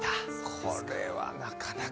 これはなかなか。